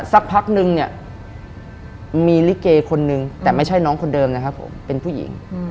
สักพักนึงเนี่ยมีลิเกคนนึงแต่ไม่ใช่น้องคนเดิมนะครับผมเป็นผู้หญิง